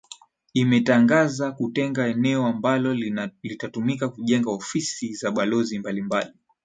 imetangaza kutenga eneo ambalo litatumika kujenga ofisi za balozi mbalimbali